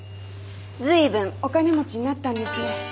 随分お金持ちになったんですね。